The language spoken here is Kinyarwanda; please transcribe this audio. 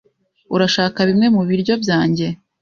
Urashaka bimwe mubiryo byanjye?